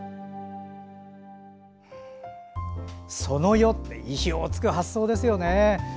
その世って意表を突く発想ですよね。